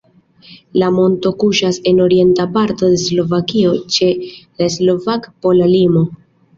La monto kuŝas en orienta parto de Slovakio ĉe la slovak-pola limo.